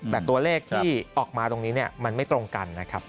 แต่ตัวเลขที่ออกมาตรงนี้มันไม่ตรงกันนะครับ